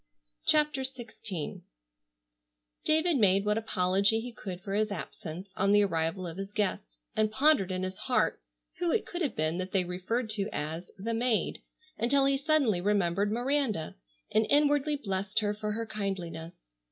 CHAPTER XVI David made what apology he could for his absence on the arrival of his guests, and pondered in his heart who it could have been that they referred to as "the maid," until he suddenly remembered Miranda, and inwardly blessed her for her kindliness.